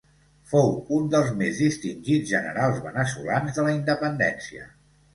Fou un dels més distingits generals veneçolans de la independència.